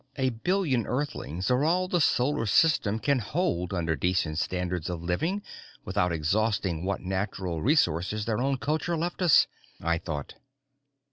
_A billion Earthlings are all the Solar System can hold under decent standards of living without exhausting what natural resources their own culture left us_, I thought.